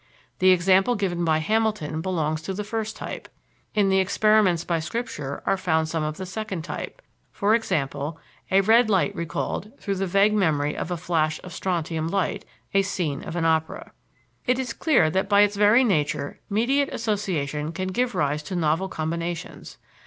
The example given by Hamilton belongs to the first type. In the experiments by Scripture are found some of the second type e.g., a red light recalled, through the vague memory of a flash of strontium light, a scene of an opera. It is clear that by its very nature mediate association can give rise to novel combinations.